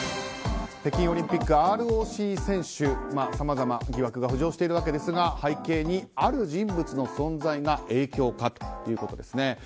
北京オリンピック、ＲＯＣ選手さまざま疑惑が浮上しているわけですが背景にある人物の存在が影響か？ということですね。